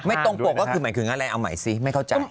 ไม่ตรงปกว่าคืออะไรเอาใหม่สิไม่เข้าใจ